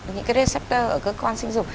những cái receptor ở cơ quan sinh dịch